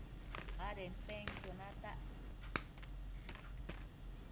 adenpenquio natac